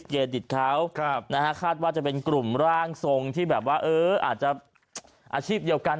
ดิตเขานะฮะคาดว่าจะเป็นกลุ่มร่างทรงที่แบบว่าเอออาจจะอาชีพเดียวกัน